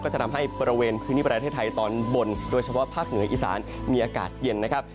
จะทำให้บริเวณพื้นที่ประเทศไทยตอนบนโดยเฉพาะภาคเหนืออีสานมีอากาศเย็นนะครับ